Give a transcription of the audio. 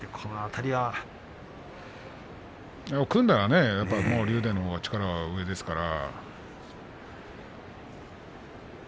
組んだら竜電のほうが力が上ですから。